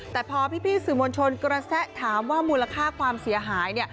แต่พอพี่สื่อมวลชนกระแสถามว่ามูลค่าความเสียหายเนี่ย